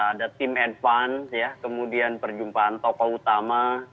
ada tim advance kemudian perjumpaan tokoh utama